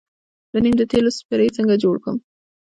د نیم د تیلو سپری څنګه جوړ کړم؟